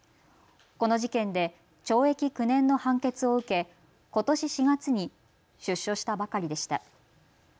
この事件で懲役９年の判決を受けことし４月に出所したばかりでした。